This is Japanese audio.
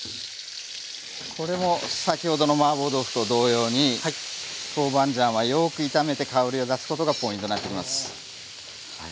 これも先ほどのマーボー豆腐と同様にトーバンジャンはよく炒めて香りを出すことがポイントになってきます。